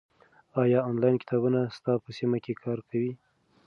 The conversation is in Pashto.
ایا آنلاین کتابتونونه ستا په سیمه کې کار کوي؟